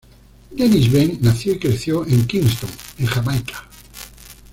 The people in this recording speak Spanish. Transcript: Dennis-Benn nació y creció en Kingston, en Jamaica.